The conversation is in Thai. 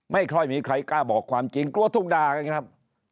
ไม่ค่อยมีใครกล้าบอกความจริงกลัวถูกด่ากันครับ